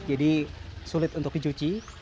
jadi sulit untuk dicuci